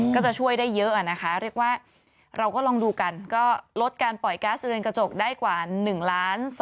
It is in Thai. ก็จะช่วยได้เยอะนะคะเรียกว่าเราก็ลองดูกันก็ลดการปล่อยก๊าซเรือนกระจกได้กว่า๑ล้าน